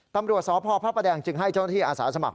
ตำรวจสพพระประแดงจึงให้เจ้าหน้าที่อาสาสมัค